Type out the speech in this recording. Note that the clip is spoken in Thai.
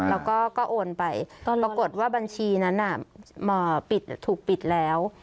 แล้วก็โอนไปปรากฏว่าบัญชีนั้นถูกปิดแล้ว